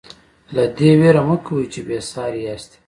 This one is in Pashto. له دې وېرې مه کوئ چې بې ساري یاستئ.